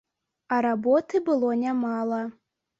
А работы было нямала.